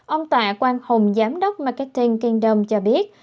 ông tạ quang hùng giám đốc marketing kingdom cho biết